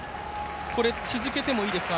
これ、続けてもいいですか？